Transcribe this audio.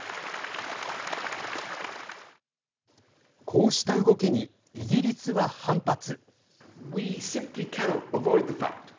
こうした動きにイギリスは反発。